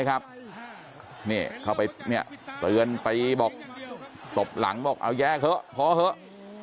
เข้าไปเตือนไปบอกตบหลังบอกเอาแยกเถอะพอเถอะ